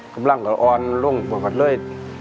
กำลังออนล่วงกับเล้ย